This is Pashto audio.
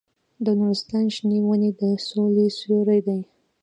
د نورستان شنې ونې د سولې سیوري دي.